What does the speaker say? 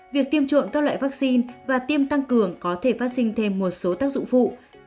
việc tiêm trộm các loại vaccine và tiêm tăng cường có thể phát sinh thêm một số tác dụng phụ